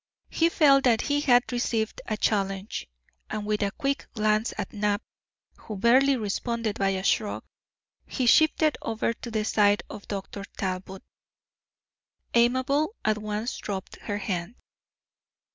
He felt that he had received a challenge, and with a quick glance at Knapp, who barely responded by a shrug, he shifted over to the side of Dr. Talbot. Amabel at once dropped her hand.